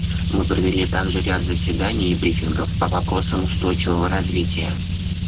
Мы провели также ряд заседаний и брифингов по вопросам устойчивого развития.